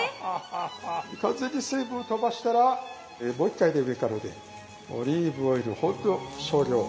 完全に水分をとばしたらもう一回ね上からねオリーブオイルほんの少量を。